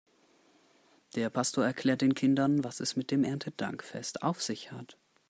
Der Pastor erklärt den Kindern, was es mit dem Erntedankfest auf sich hat.